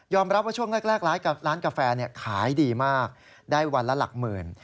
รับว่าช่วงแรกร้านกาแฟขายดีมากได้วันละหลักหมื่น